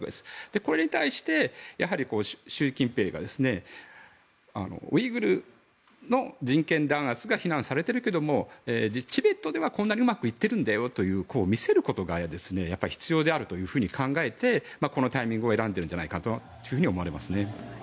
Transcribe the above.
これに対して習近平がウイグルの人権弾圧が非難されているけれどもチベットではこんなにうまくいってるんだよと見せることが必要であると考えてこのタイミングを選んでるんじゃないかと思われますね。